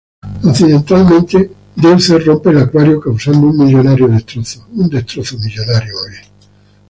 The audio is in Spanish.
Accidentalmente, Deuce rompe el acuario, causando un millonario destrozo.